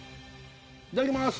いただきます